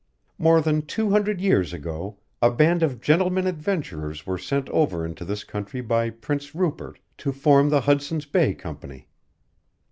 More than two hundred years ago a band of gentlemen adventurers were sent over into this country by Prince Rupert to form the Hudson's Bay Company.